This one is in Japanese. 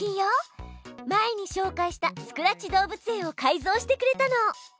前にしょうかいしたスクラッチ動物園を改造してくれたの。